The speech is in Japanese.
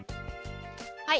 はい。